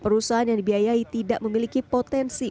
perusahaan yang dibiayai tidak memiliki potensi